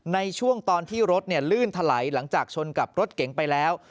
ในช่วงตอนที่รถลื่นถลายหลังจากชนกับรถเก๋งไปแล้ว